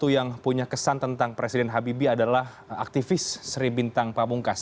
yang punya kesan tentang presiden habibie adalah aktivis sri bintang pamungkas